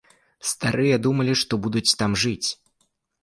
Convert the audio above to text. Старыя думалі, што будуць там жыць.